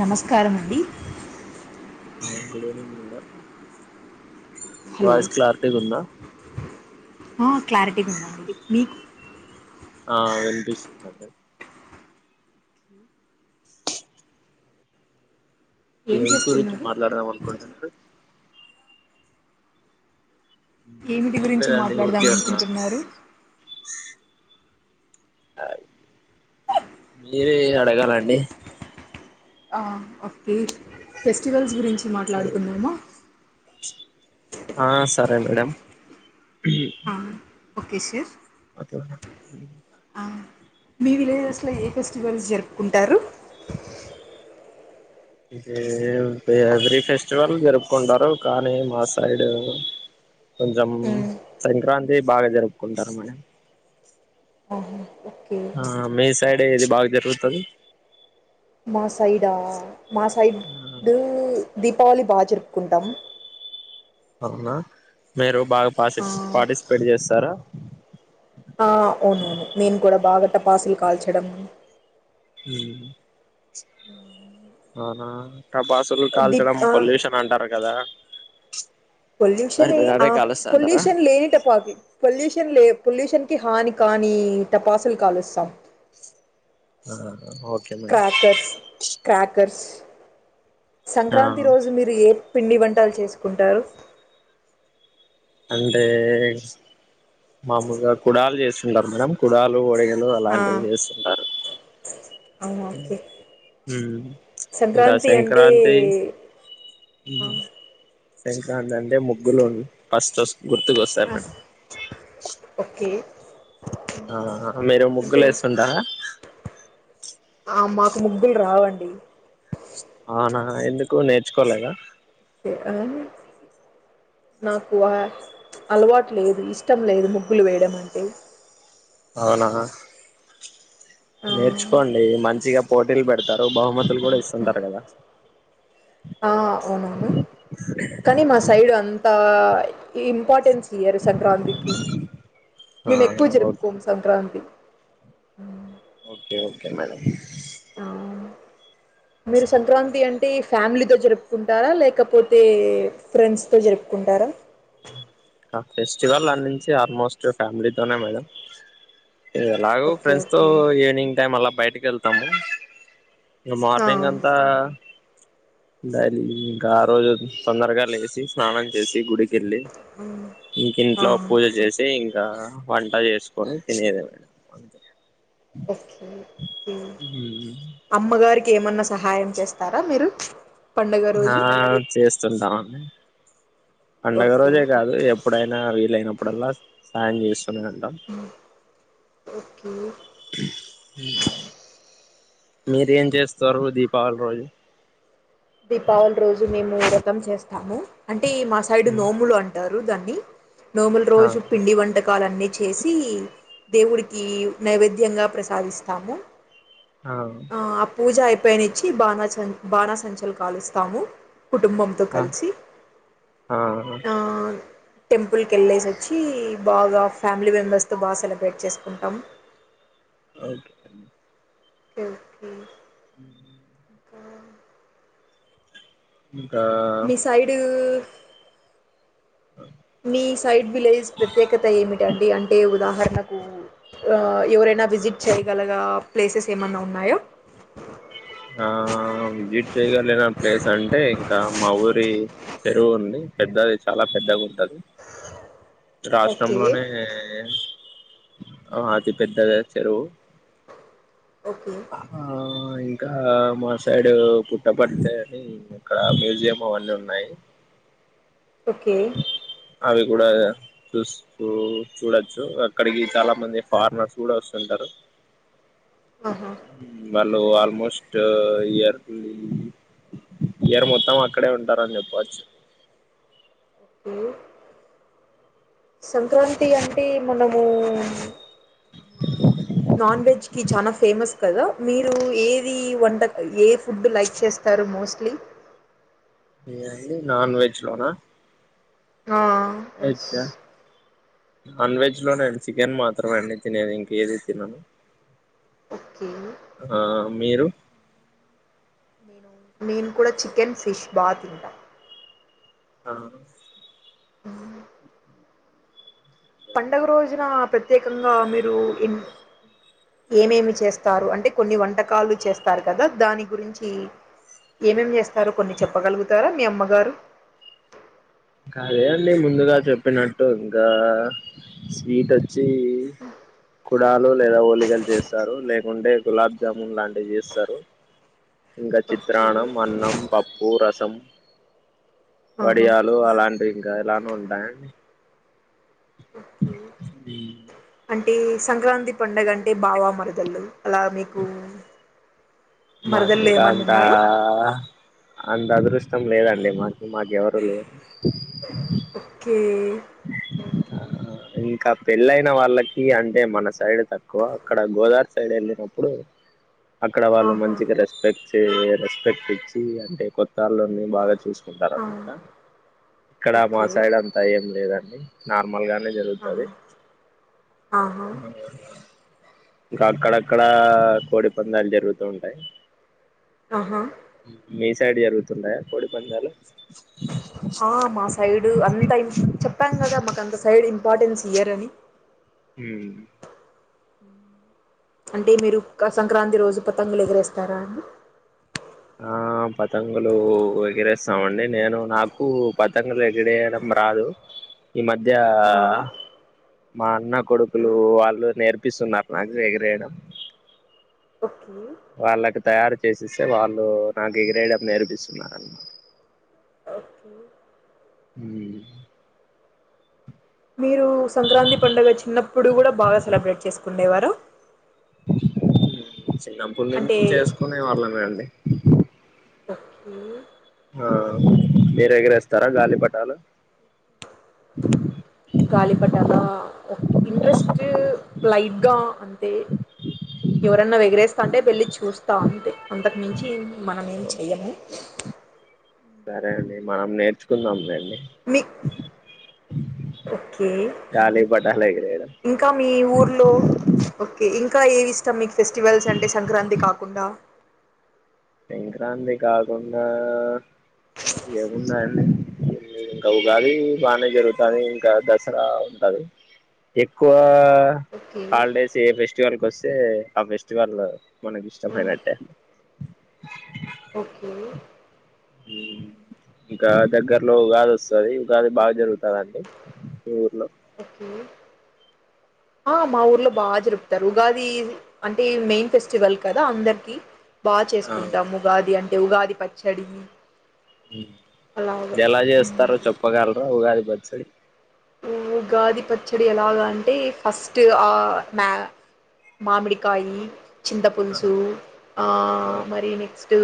నమస్కారమండి ఆయ్ good evening madam voice క్లారిటీగుందా ఆహ్ క్లారి టిగా ఉందండి మీకు పిస్తుందండి ఏం ఏ గురించి చేస్తున్నారు మాట్లాడదాం అనుకుంటన్నారు ఏమిటి ఏం గురించి లేదండి మాట్లాడదాం ఊరికే ఉన్నాను అనుకుంటున్నారు మీరే అడగాలండి ఆ ఓకే ఫెస్టివల్స్ గురించి చ్చి మాట్లాడుకుందామా ఆ సరే మేడం ఆ, ఓకే సార్ అతో ఆ, మీ విలేజెస్ లో ఏ ఫెస్టివల్స్ జరుపుకుంటారు ఇది ఎవ్రీ ఫెస్టివల్ జరుపుకుంటారు కానీ మా సైడు కొంచెం ఉమ్. సంక్రాంతి బాగా జరుపుకుంటారు మన ఆహా, ఓకే ఆ మేస్ సైడ్ ఏది బాగా జరుగుతది మా సైడా మా సైడ్ డు దీపావళి బా జరుపుకుంటాం అవునా మీరు బాగా ఆ, పసిస్ పాటిస్ పెడ్ చేస్తారా ఆ అవునవును నేను కూడా బాగా టపాసులు కాల్చడం హ అహా టపాసులు కాల్చడం దీప్ పొల్యూషన్ అంటారు కదా [inaudible] మరి పొల్యూషన్ ఎ మీరు ఆ అదే కాలుస్తాంటారా పొల్యూషన్ లేని టపాకు పొల్యూషన్ లే పొల్యూషన్ కి హాని కాని టపాసులు కాలుస్తాం ఆ ఓకే మేడం క్రాకర్స్ క్రాకర్స్ ఆ సంక్రాంతి రోజు మీరు ఏ పిండి వంటలు చేసుకుంటారు అంటే మాముూలుగా కుడాలు చేస్తుంటారు మేడం కుడాలు [unintelligible] ఆ అలాంటివి చేస్తుంటారు అవునా ఓకే [inaudible] హ సంక్రాంతి అంటే సంక్రాందండి అంటే ముగ్గులు ఫస్ట్ గుర్తుకు వస్తారు ఆ, మేడం ఓకే ఆ మీరు అంటే ముగ్గులు వేస్తుంటారా ఆ మాకు ముగ్గులు రావండి అవునా ఎందుకు నేర్చుకోలేదా ఆ నాకు అలవాటు లేదు ఇష్టం లేదు ముగ్గులు వేయడం అంటే అవునా ఆ నేర్చుకోండి మా మంచిగా పోటీలు పెడతారు బహుమతులు కూడా ఇస్తుంటారు కదా ఆ అవునవును కానీ మా సైడ్ అంతా [unintelligible] ఇంపార్టెన్స్ ఇయ్యరు సంక్రాంతికి ఆ మేము ఎక్కువ ఓకే జరుపుకోము సంక్రాంతి ఓకే ఓకే మేడం ఆ మీరు సంక్రాంతి అంటే ఫ్యామిలీతో జరుపుకుంటారా లేకపోతే ఫ్రెండ్స్ తో జరుపుకుంటారా ఆ ఫెస్టివల్ అన్నించి ఆల్మోస్ట్ ఫ్యామిలీతోనే మేడం ఎలాగో ఓకే ఫ్రెండ్స్ తో ఓకే ఈవినింగ్ టైమ్ అలా బయటికి వెళ్తాము ఇక ఆ మార్నింగ్ అంతా ఇంకా ఆ రోజు తొందరగా లేచి స్నానం చేసి గుడికి మ్మ్ ఇంకా ఇంట్లో పూజ చేసి ఇంకా వంట చేసుకొని తినేది మేడం ఓకే అమ్మ గారికి ఏమన్నా సహాయం చేస్తారా మీరు పండుగ ఆ రోజు చేస్తుంటాం పండగ ఓకే రోజే కాదు ఎప్పుడైనా వీలయినప్పుడల్లా సాయం చేస్ [unintelligible] ఓకే మీరేం చేస్తారు దీపావళి రోజు దీపావళి రోజు మేము ఉండ మొత్తం చేస్తాము అం అంటే మా సైడ్ నోములు అంటారు దాన్ని నోముల్ ఆ రోజు పిండి వంట కాలన్నీ చేసి దేవుడికి నైవేద్యంగా ప్రసాదిస్తాము ఆ ఆ పూజయిపో ఉపయనిచ్చి బాణ సంచ్ బాణ సంచల్ కాలుస్తాము కుటుంబంతో ఆ కలిసి ఆ ఆ టెంపుల్కి వెళ్ళేసి వచ్చి బాగా ఫ్యామిలీ మెంబర్స్ తో బాగా సెలబ్రేట్ చేసుకుంటాం. ఓకే అండి ఓకే ఓకే హ్మ్మ్ ఇంకా ఇంకా మీ సైడ్ మీ సైడ్ విలేజ్ ప్రత్యేకత ఏమిటండి అంటే ఉదాహరణకు ఆ ఎవరైనా విజిట్ చేయగలగ ప్లేసెస్ ఏమన్నా ఉన్నాయ. ఆ విజిట్ చేయగలిన ప్లేస్ అంటే ఇంకా మా ఊరి చెరువు ఉంది పెద్దది చాలా పెద్దగా ఉంటది. ఓకే రాష్ట్రంలోనే ఆ అది పెద్దదే చెరువు ఓకే అయి ఇంకా మా సైడ్ పుట్టపర్తి అని ఇక్కడ మ్యూజియం అవన్నీ ఉన్నాయి. ఓకే అవి కూడా చూసు చూడొచ్చు అక్కడికి చాలా మంది ఫారినర్స్ కూడా వస్తుంటారు. ఆహా హ్మ్మ్ బ లో ఆల్మోస్ట్ ఇయర్లీ ఇయర్ మొత్తం అక్కడే ఉంటారని చెప్పచ్చు. ఓకే సంక్రాంతి అంటే మనము నాన్వెజ్ కి చానా ఫేమస్ కదా మీరు ఏది వంట ఏ ఫుడ్ లైక్ చేస్తారు మోస్ట్లీ. నేనండి నాన్వెజ్ లోనా ఆ ఎస్ నాన్వెజ్ లోనే అండి చికెన్ మాత్రమే అండి తినేది ఇంక ఏది తినను ఓకే ఆ మీరు నేను నేను కూడా చికెన్ ఫిష్ బా తింటా ఆ హ పండుగ రోజున ప్రత్యేకంగా మీరు ఏం ఏమేమి చేస్తారు అంటే కొన్ని వంటకాలు చేస్తారు కదా దాని గురించి ఏమేమి చేస్ సారు కొన్ని చెప్పగలుగుతారా మీ అమ్మగారు ఇంకదేం లేదు ముందుగా చెప్పినట్టు ఇంకా స్వీట్ వచ్చి కుడాలు లేదా ఓలిగలు చేస్తారు లేకుంటే గులాబ్ జామున్ లాంటివి చేస్తారు. ఇంకా ఓకే చిత్రాన్నం అన్నం పపు పూ రసం ఆహా విలాంటి ఇలాను ఉంటా ఓకే అంటే సంక్రాంతి పండుగా అంటే బావా మరదలు అలా మీకు మరదళ్ళు ఏమన్నా మకాద ఉన్నారా అంత అదృష్టం లేదండి మాకు మాక ఎవరు లేరు కే ఇంకా పెళ్ళైన వాళ్ళకి అంటే మన సైడ్ తక్కువ అక్కడ గోదావరి సైడ్ వెళ్ళినప్పుడు అక్కడ వాళ్ళు ఆహా మంచిగా రెస్పెక్ట్ వచ్చే రెస్పెక్ట్ ఇచ్చి అంటే కొత్త అల్లుడిని బాగా చూసుకుంటారు ఆ అనమాట ఇక్కడ మా ఓకే సైడ్ అంతా ఏం లేదా నార్మల్ గానే జరుగుతది ఆహా ఆహా ఇంకా అక్కడక్కడ కోడి పందాలు జరుగుతూ ఉంటాయి ఆహా మీసైడ్ జరుగుతుంటాయా కోడిపందాలు ఆ మా సైడు అంత ఇం చెప్పాను కదా మాకు అంత సైడ్ం ఇంపార్టెన్స్ ఇయరని హ అంటే మీరు సంక్రాంతి రోజు ప పతంగులు ఎగిరేస్తారా అండి ఆ పతంగులు ఎగిరేస్తామండి నేను నాకు పతంగలు ఎగిరేయడం రాదు ఈ మధ్య ఆ మా అన్న ఓకే కొడుకులు వాళ్ళు నేర్పిస్తున్నారు నాకు ఎగిరేయడం ఓకే వాళ్ళకి తయారు చేసి ఇస్తే వాళ్ళు నాకు ఎగిరేయడం నేర్పిస్తున్నారన్నమాట ఓకే హ మీరు సంక్రాంతి పండగ చిన్నప్పుడు కూడా బాగా సెలబ్రేట్ చేసుకునేవారా చిన్నపాటి నుంచి చేసుకునే వాళ్ళమే అండి పక్కీ. ఆ మీరెగరేస్తారా గాలిపటాలు. గాలిపటాల ఇంట్రెస్ట్ లైట్గా అంతే ఎవరన్నా ఎగిరేస్తా అంటే వెళ్ళి చూస్తా అంతే అంతకుమించి మనం ఏం చెయము సరే అండి మనం నేర్చుకున్నాం రండి మీ ఓకే గాలి పటాలు ఎగిరేయడం ఇంకా మీ ఊర్లో ఓకే ఇంకా క్కవి మిక్ ఫెస్టివల్స్ అంటే సంక్రాంతి కాకుండా. సంక్రాంతి కాకుండా ఏమున్నాయండి ఇంకా ఉగాలి బాగానే జరుగుతుంది ఇంకా దసరా ఉంటుది ఎక్కువ ఓకే హాలిడేస్ ఏ ఫెస్టివల్కి వస్తే ఆ ఫెస్టివల్ మనకి ఇష్టమైనట్టే. ఓకే ఇంకా దగ్గరలో ఉగాది వస్తాది ఉగాది బాగా జరుగుతందండి ఈ ఊర్లో. ఓకే ఆ మా ఊర్లో బా జరుపుతారు. ఉగాది అంటే మెయిన్ ఫెస్టివల్ కథ అందర్కి. బా ఆ చేసుకుంటాం ఉగాది అం. ఉగాది పచ్చడి. అలాగా ఎలా ఉమ్. చేస్తారో చెప్పగర్ల ఉగాద్. బచ్చడి. ఉగాది పచ్చడి ఎలాగా అంటే ఫస్ట్ ఆ మా మామిడికాయీ. చింత ఆ పల్సూ ఆ మరి నెక్స్ట్. తూ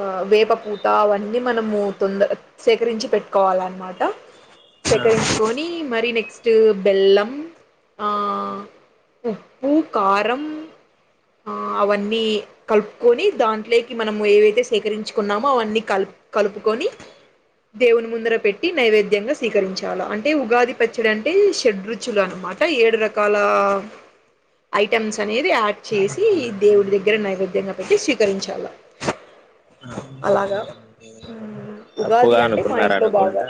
ఆ వేప పూత అవన్నీ మనము తొందర్ సేకరించి పెట్టుకోవాలన్మాట. ఆ గెంట్కొని మరి నే. క్ట్ బెల్లం ఆ. ఉ ఉప్పు కారం ఆ అవన్నీ కల్పుకొని దాంట్లేకీ మనము ఏవైతే సేకరించుకున్నామో అవన్నీ కల్ప్ కలుపుకొని దేవుని ముందర పెట్టి నైవేద్యంగా స్వీకరించ్. చాలా అంటే ఉగాది పచ్చడి అంటే షటు రుచులు అనమాట ఏడు రకాల ఐటమ్స్ అనేది. యాడ్ చేసి దేవుడి దగ్గర నైవేద్యంగా పెట్టి స్వీకరించ్ ఇా మ్మ్. ఉగాది తప్పుగా అంటే మా ఇంట్లో అనుకున్నారనుకుంట బాగా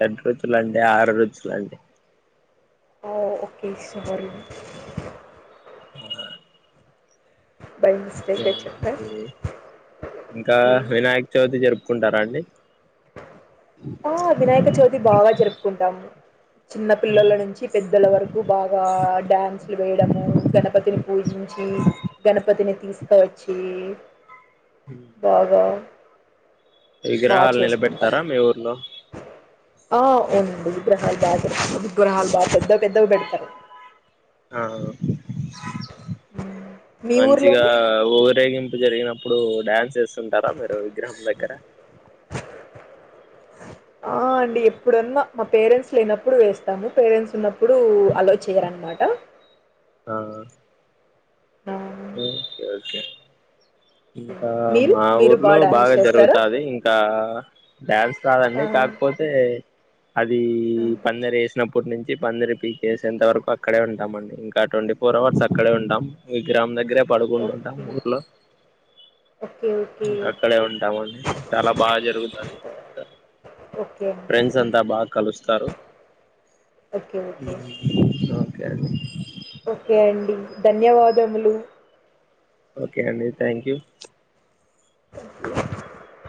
[unintelligible] లండే ఆరు రుజులండి. ఓ ఓకే స్వారీ. బై మిస్టేక్గా చెప్పా ఇంకా వినాయక చవితి జరుప్. కుంటారండి. ఆ వినాయక చవితి బాగా జరుపుకుంటాము. చిన్న పిల్లల నుంచి పెద్దోలవరకు బాగా డ్యాన్సులు వేయడము గణపతిని పూజించి గణపతిని తీసుకచ్చి. బాగా. బా ఇగ్రహాల్ నీలబే. తరామే ఊర్లో ఓ ఉంది బు హాల బా విగ్రాహాల బా పెధ్ పెద్దవి పెడతారు. ఆ హ్మ్. మీ మంచిగా ఊర్లోను? ఊరేగిం. ఇప్పుడు జరిగినప్పుడు డ్యాన్స్యేస్తుంటారా మీరు విగ్రహం దగ్గర. ఆ అండి ఎప్పుడన్నా మా పేరెంట్స్ లేనప్పుడు వేస్తాము పేరెంట్స్ ఉన్నప్పుడు అలో చేయరనమాట. ఆ ఆ ఓకే ఓకే ఓకే. ఇంకా మీరు? మా మీరు బా ఊర్లో డాన్స్ బాగా చేస్తారా? జరుగుతది ఇంకా డ్యాన్స్ కాదండి ఆ! కాకపోతే అది ఆ! పందర వేసినప్పుడు ఇప్పుడు నుంచి పందిరి పీకేసి ఎంత వరకు అక్కడే ఉంటాం అండి ఇంకా ట్వంటీ ఫోర్ అవర్స్ అక్కడే ఉంటాం విగ్రామ ధాగరే పడుకుంటుంటాం ఓకే. ఊర్లో ఓకే. ఇంకా ఓకే. అక్కడే ఉంటాము అండీ చాలా బాగా జరుగుతుందిం ఓకే అండి ఫ్రెండ్స్ అంతా బాగా కలుస్తారు ఓకే ఓకే ఉమ్ ఆ ఓకే అండి ఓకే అండి ధన్యవాదములు ఓకే అండి థ్యాంక్ యు [inaudible]